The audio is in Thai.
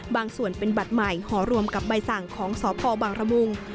บางส่วนเป็นบัตรใหม่ห่อรวมกับใบสั่งของสพบางระมุง